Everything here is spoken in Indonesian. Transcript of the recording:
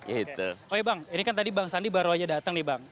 oh bang ini kan tadi bang sandi baru aja datang nih bang